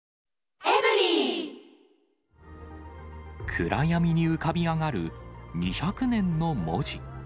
暗闇に浮かび上がる２００年の文字。